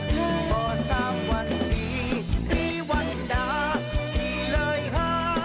เพราะสามวันมีสี่วันหนามีเลยห้า